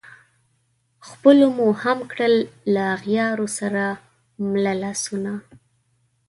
خلپو مو هم کړل له اغیارو سره مله لاسونه